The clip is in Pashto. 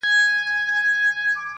• خدای په خپل قلم یم په ازل کي نازولی -